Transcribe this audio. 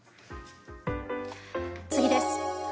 次です。